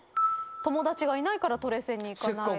「友達がいないからトレセンに行かない」